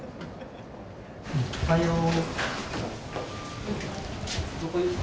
おはよう。